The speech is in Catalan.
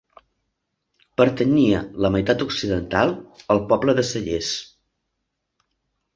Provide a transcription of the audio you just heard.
Pertanyia, la meitat occidental, al poble de Cellers.